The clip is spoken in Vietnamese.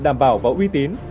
đảm bảo và uy tín